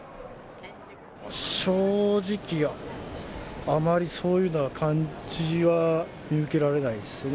正直、あまりそういうのは感じは見受けられないですよね。